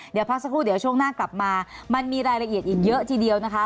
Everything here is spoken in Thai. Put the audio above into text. เดี๋ยวพักสักครู่เดี๋ยวช่วงหน้ากลับมามันมีรายละเอียดอีกเยอะทีเดียวนะคะ